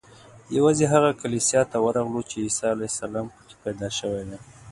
یوازې هغه کلیسا ته ورغلو چې عیسی علیه السلام په کې پیدا شوی دی.